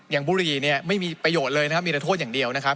บุหรี่เนี่ยไม่มีประโยชน์เลยนะครับมีแต่โทษอย่างเดียวนะครับ